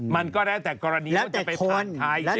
มันก็แล้วแต่กรณีว่าจะไปผ่านใคร